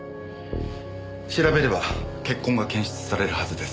調べれば血痕が検出されるはずです。